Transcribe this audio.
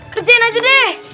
kerjain aja deh